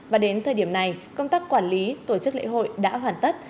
và đến thời điểm này công tác quản lý tổ chức lễ hội đã hoàn tất